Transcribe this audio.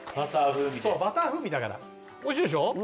バター風味でおいしいでしょ？